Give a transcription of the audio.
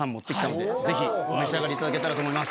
ぜひお召し上がりいただけたらと思います。